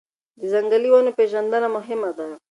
د ځنګلي ونو پېژندنه مهمه ده.